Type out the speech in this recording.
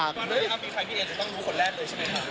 สวัสดีครับมีใครพี่เอจะต้องรู้คนแรกเลยใช่ไหมคะ